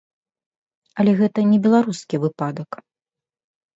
Але гэта не беларускі выпадак.